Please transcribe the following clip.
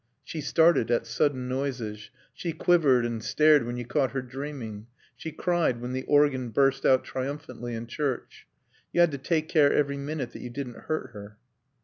She started at sudden noises; she quivered and stared when you caught her dreaming; she cried when the organ burst out triumphantly in church. You had to take care every minute that you didn't hurt her.